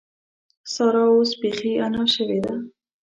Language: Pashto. سارا اوس بېخي انا شوې ده.